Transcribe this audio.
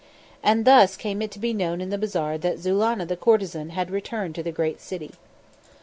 And thus came it to be known in the bazaar that Zulannah the courtesan had returned to the great city.